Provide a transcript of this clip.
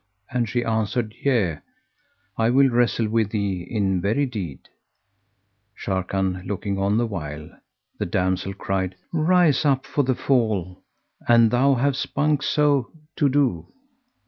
and she answered, "Yea, I will wrestle with thee in very deed" (Sharrkan looking on the while), the damsel cried, "Rise up for the fall an thou have spunk so to do."